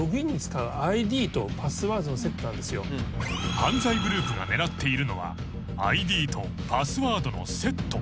［犯罪グループが狙っているのはＩＤとパスワードのセット］